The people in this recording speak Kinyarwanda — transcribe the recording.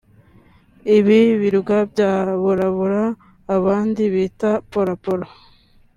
Ibi birwa bya Bora Bora abandi bita Pora Pora